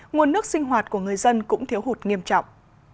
nguồn nước sinh hoạt của người dân cũng thiếu hụt nghiêm trọng